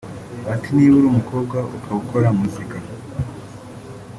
Ati “Niba uri umukobwa ukaba ukora muzika